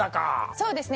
そうですね